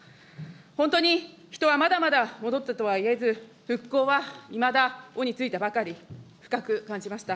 本当に人はまだまだ戻ったとはいえず、復興はいまだおについたばかり、深く感じました。